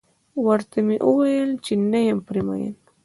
ورته و مې ويل چې نه یم پرې مين.